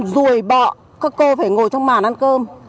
rùi bọ các cô phải ngồi trong màn ăn cơm